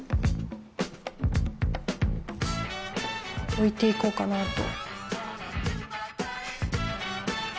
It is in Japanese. おいていこうかなと。